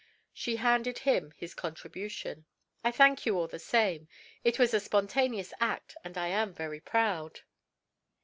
She handed him his contribution. "I thank you all the same. It was a spontaneous act, and I am very proud."